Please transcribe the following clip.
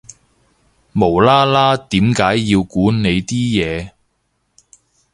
無啦啦點解要估你啲嘢